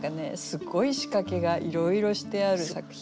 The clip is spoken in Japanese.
すごい仕掛けがいろいろしてある作品なんですよね。